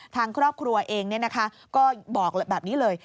ทางครอบครัวเองก็บอกแบบนี้เลย